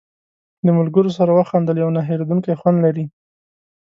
د ملګرو سره وخندل یو نه هېرېدونکی خوند لري.